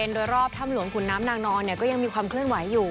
โดยรอบถ้ำหลวงขุนน้ำนางนอนก็ยังมีความเคลื่อนไหวอยู่